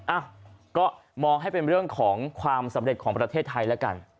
อ่ะก็มองให้เป็นเรื่องของความสำเร็จของประเทศไทยแล้วกัน